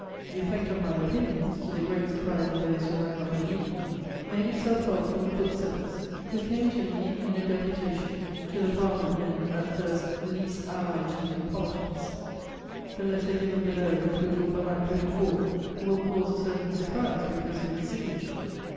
The effect of my opinions, to the great surprise of those who had not believed in them, made itself felt from the book sellers, who came to me in a deputation, to the parliament men at first least allied to me in politics. The letter given below in proof of what I am putting forward will cause a certain surprise because of its signature.